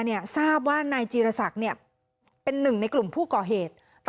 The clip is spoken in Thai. ทราบว่านายจีรศักดิ์เนี่ยเป็นหนึ่งในกลุ่มผู้ก่อเหตุ